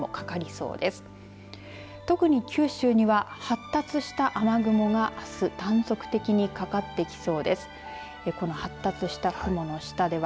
特に九州には発達した雨雲が、あす断続的にかかってきそうです。